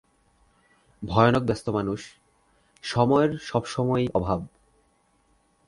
ভয়ানক ব্যস্ত মানুষ, সময়ের সবসময়েই অভাব।